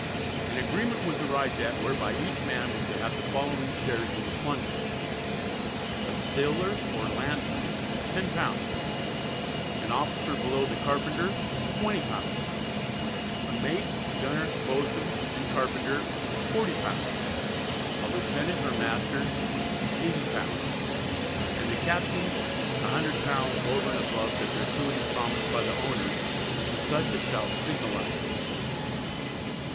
An agreement was arrived at whereby each man was to have the following shares in the plunder. A sailor or landsman, £10; any officer below the Carpenter, £20; a Mate, Gunner, Boatswain, and Carpenter, £40; a Lieutenant or Master, £80; And the Captains £100 over and above the gratuity promised by the owners to such as shall signalise themselves."